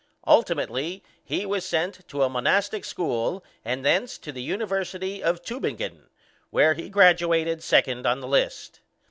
Ultimately he was sent to a monastic school and thence to the University of Tübingen, where he graduated second on the list.